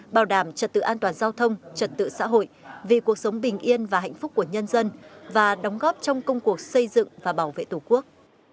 bảo đảm trật tự an toàn giao thông trật tự xã hội vì cuộc sống bình yên và hạnh phúc của nhân dân và đóng góp trong công cuộc xây dựng và bảo vệ tổ quốc